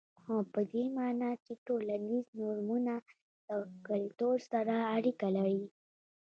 هو په دې معنا چې ټولنیز نورمونه له کلتور سره اړیکه لري.